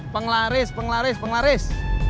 penglaris penglaris penglaris